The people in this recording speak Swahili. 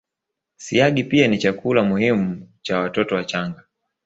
Siagi pia ni chakula muhimu cha watoto wachanga